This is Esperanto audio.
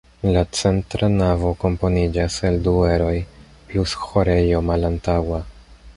La centra navo komponiĝas el du eroj, plus ĥorejo malantaŭa.